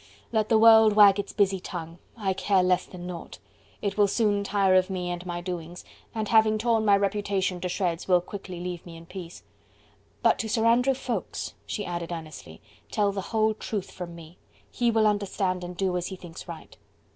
let the world wag its busy tongue I care less than naught: it will soon tire of me and my doings, and having torn my reputation to shreds will quickly leave me in peace. But to Sir Andrew Ffoulkes," she added earnestly, "tell the whole truth from me. He will understand and do as he thinks right."